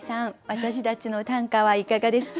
私たちの短歌はいかがですか？